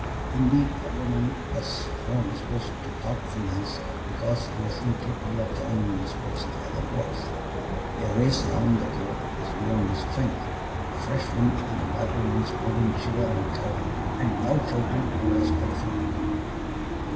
Indeed, Carloman was more disposed to thoughtfulness, because he was incapable of joining in the sports of the other boys. A race round the court was beyond his strength, the fresh wind on the battlements made him shiver and cower, and loud shouting play was dreadful to him.